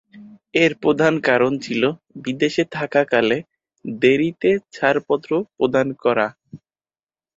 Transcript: এর প্রধান কারণ ছিল বিদেশে থাকাকালে দেরীতে ছাড়পত্র প্রদান করা।